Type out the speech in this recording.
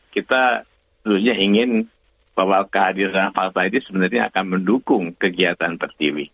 kita seharusnya ingin bahwa kehadiran fakta ini sebenarnya akan mendukung kegiatan per tv